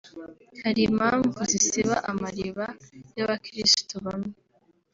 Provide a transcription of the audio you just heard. Hari impamvu zisiba amariba y’abakiristu bamwe